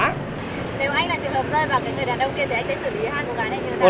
nếu anh là trường hợp rơi vào người đàn ông kia thì anh sẽ xử lý hai cô gái này như thế nào